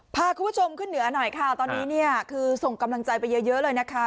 พาคุณผู้ชมขึ้นเหนือหน่อยค่ะตอนนี้เนี่ยคือส่งกำลังใจไปเยอะเลยนะคะ